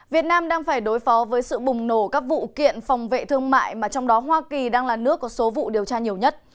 việt nam đang phải đối phó với sự bùng nổ các vụ kiện phòng vệ thương mại mà trong đó hoa kỳ đang là nước có số vụ điều tra nhiều nhất